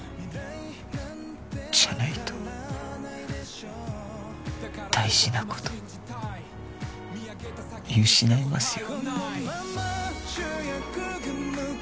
じゃないと大事な事見失いますよ。